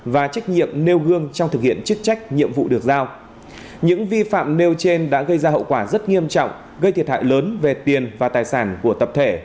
và trách nhiệm nêu gương trong thực hiện chức trách nhiệm vụ được giao những vi phạm nêu trên đã gây ra hậu quả rất nghiêm trọng gây thiệt hại lớn về tiền và tài sản của tập thể